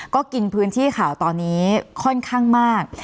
ก็กินพื้นที่ข่าวตอนนี้ค่อนข้างมาก